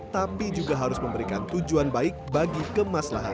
tapi juga harus memberikan tujuan baik bagi kemaslahan